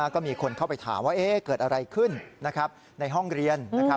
ก็มีคนเข้าไปถามว่าเกิดอะไรขึ้นในห้องเรียน